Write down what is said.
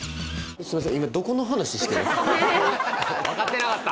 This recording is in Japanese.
すいません